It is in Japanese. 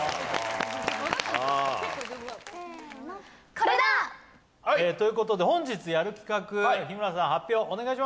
これだ！ということで本日やる企画日村さん発表お願いします！